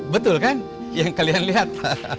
betul kan yang kalian lihat